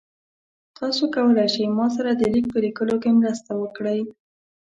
تاسو کولی شئ ما سره د لیک په لیکلو کې مرسته وکړئ؟